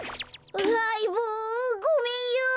あいぼうごめんよ。